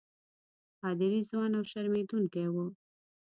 پادري ځوان او شرمېدونکی وو.